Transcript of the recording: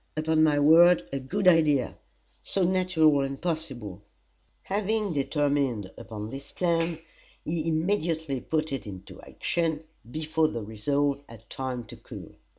Upon my word, a good idea! So natural and possible!" Having determined upon this plan, he immediately put it into action before the resolve had time to cool.